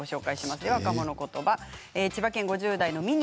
若者言葉、千葉県５０代の方。